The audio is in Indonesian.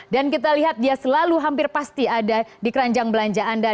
dan kita lihat dia selalu hampir pasti ada di keranjang belanja anda